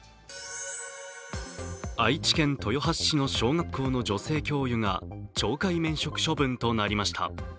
愛知県豊橋市の小学校の女性教諭が懲戒免職処分となりました。